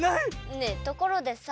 ねえところでさ